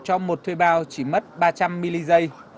cho một thuê bao chỉ mất ba trăm linh mili giây